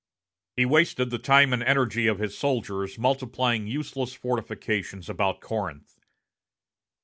He wasted the time and energy of his soldiers multiplying useless fortifications about Corinth.